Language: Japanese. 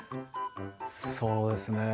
そうですね